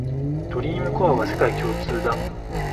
ドリームコアは世界共通だ